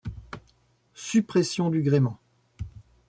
Suppression du gréement.